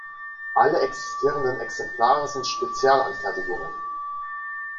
Alle existierenden Exemplare sind Spezialanfertigungen.